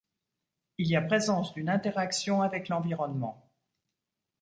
Il y a présence d’une interaction avec l’environnement.